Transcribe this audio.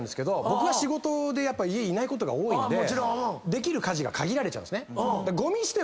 僕が仕事でやっぱ家にいないことが多いんでできる家事が限られちゃうんですね。